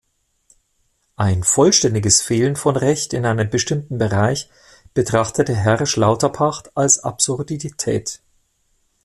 Ein vollständiges Fehlen von Recht in einem bestimmten Bereich betrachtete Hersch Lauterpacht als Absurdität.